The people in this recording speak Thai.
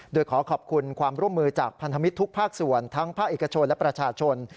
โดยขอขอบคุณความร่วมมือจากพันธมิตรทุกภาคส่วนทั้งภาคเอกชนและประชาชน